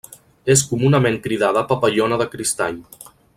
És comunament cridada papallona de cristall.